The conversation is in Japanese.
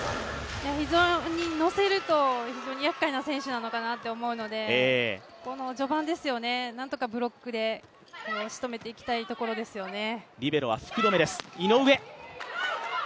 非常にのせるとやっかいな選手なのかなと思うのでこの序盤、なんとかブロックでしとめていきたいところですよね。